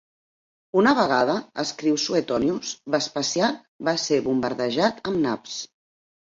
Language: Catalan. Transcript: Una vegada, escriu Suetonius, Vespasian va ser bombardejat amb naps.